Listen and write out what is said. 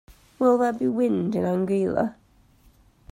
Will there be wind in Anguilla?